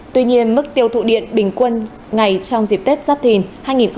tuy nhiên mức tiêu thụ điện bình quân ngày trong dịp tết giáp thìn hai nghìn hai mươi bốn